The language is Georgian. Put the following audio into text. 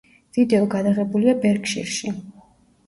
ვიდეო გადაღებულია ბერკშირში.